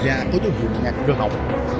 và tối tư vụn ngạc rơ học